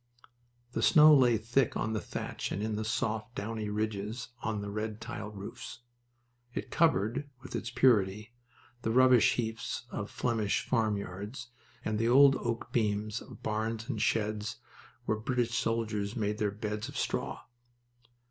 The snow lay thick on the thatch and in soft, downy ridges on the red tiled roofs. It covered, with its purity, the rubbish heaps in Flemish farmyards and the old oak beams of barns and sheds where British soldiers made their beds of straw.